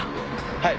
はい。